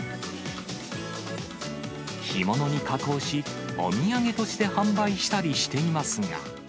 干物に加工し、お土産として販売したりしていますが。